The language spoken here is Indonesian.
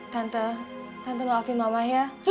tante tante maafin mama ya